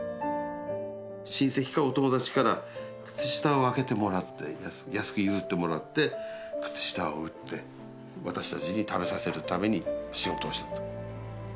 親戚かお友達から靴下を分けてもらって安く譲ってもらって靴下を売って私たちに食べさせるために仕事をしたと。